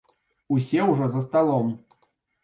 Усе ўжо за сталом.